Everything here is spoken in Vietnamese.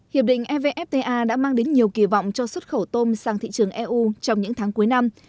hiệp định evfta đã mang đến nhiều kỳ vọng cho xuất khẩu tôm sang thị trường eu trong những tháng cuối năm